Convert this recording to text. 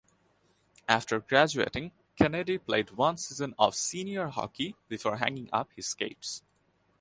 After graduating Kennedy played one season of senior hockey before hanging up his skates.